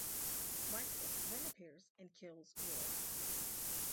Michael then appears and kills Will.